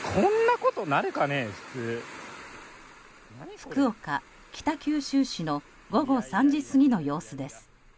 福岡、北九州市の午後３時過ぎの様子です。